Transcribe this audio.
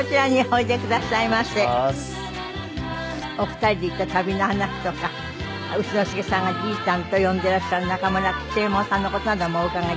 お二人で行った旅の話とか丑之助さんが「じいたん」と呼んでいらっしゃる中村吉右衛門さんの事などもお伺い致しますけど。